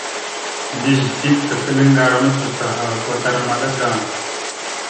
Mbiyez dik tefelaŋar a macacaha kwatar maɗa da.